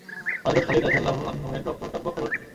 হযরত খালিদ রাযিয়াল্লাহু আনহু-এর রক্ত টগবগ করে ওঠে।